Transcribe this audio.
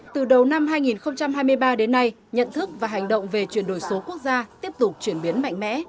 từ đầu năm hai nghìn hai mươi ba đến nay nhận thức và hành động về chuyển đổi số quốc gia tiếp tục chuyển biến mạnh mẽ